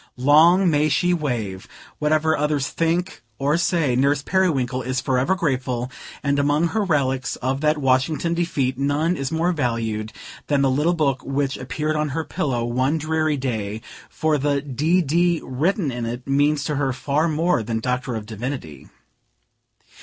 Long may she wave! Whatever others may think or say, Nurse Periwinkle is forever grateful; and among her relics of that Washington defeat, none is more valued than the little book which appeared on her pillow, one dreary day; for the D. D. written in it means to her far more than Doctor of Divinity.